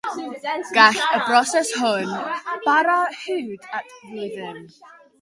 Gall y broses hon bara hyd at flwyddyn.